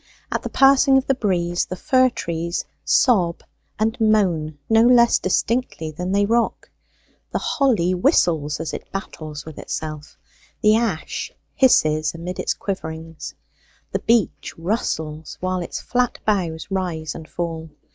At the passing of the breeze the fir trees sob and moan no less distinctly than they rock; the holly whistles as it battles with itself; the ash hisses amid its quiverings; the beech rustles while its flat boughs rise and fall.